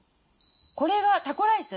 これがタコライス。